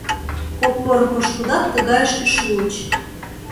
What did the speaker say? Кок поро пошкудат тыгайышке шуыч.